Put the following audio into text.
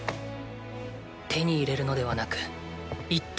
手に入れるのではなく一体となる。